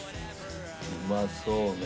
うまそうね。